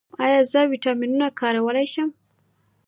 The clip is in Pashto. ایا زه ویټامینونه کارولی شم؟